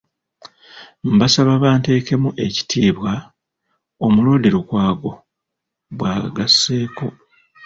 "Mbasaba banteekemu ekitiibwa", Omuloodi Lukwago bw’agasseeko.